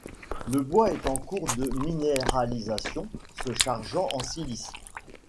Le bois est en cours de minéralisation, se chargeant en silice.